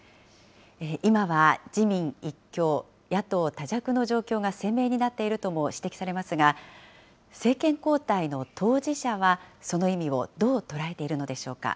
今は自民一強、野党多弱の状況が鮮明になっているとも指摘されますが、政権交代の当事者は、その意味をどう捉えているのでしょうか。